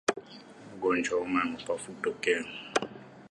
Ugonjwa wa homa ya mapafu hutokea